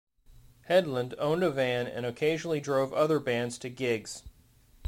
Hedlund owned a van and occasionally drove other bands to gigs.